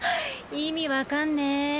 意味分かんねぇ。